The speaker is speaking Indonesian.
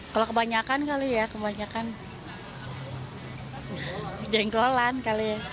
kalau kebanyakan kali ya kebanyakan jengkolan kali ya